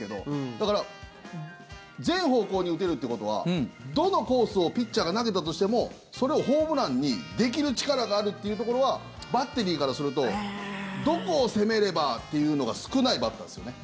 だから全方向に打てるってことはどのコースをピッチャーが投げたとしてもそれをホームランにできる力があるっていうところはバッテリーからするとどこを攻めればっていうのが少ないバッターですよね。